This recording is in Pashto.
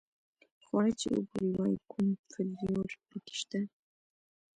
خواړه چې وګوري وایي کوم فلېور په کې شته.